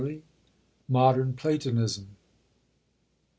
"] MODERN PLATONISM.